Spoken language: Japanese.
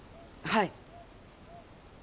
はい。